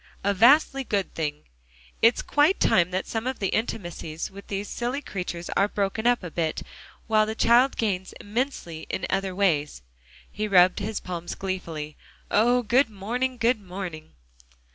"A vastly good thing. It's quite time that some of the intimacies with these silly creatures are broken up a bit, while the child gains immensely in other ways." He rubbed his palms gleefully. "Oh! good morning, good morning!"